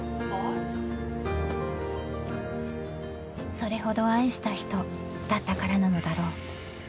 ［それほど愛した人だったからなのだろう］